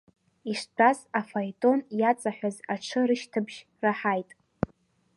Иштәаз афаетон иаҵаҳәаз аҽы рышьҭабжь раҳаит.